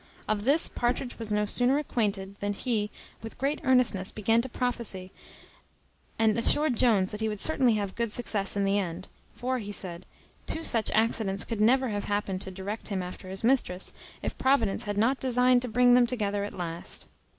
Of this Partridge was no sooner acquainted, than he, with great earnestness, began to prophesy, and assured Jones that he would certainly have good success in the end: for, he said, "two such accidents could never have happened to direct him after his mistress, if Providence had not designed to bring them together at last."